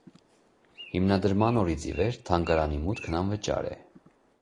Հիմնադրման օրից ի վեր թանգարանի մուտքն անվճար է։